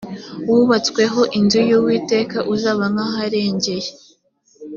wubatsweho inzu y uwiteka uzaba nk aharengeye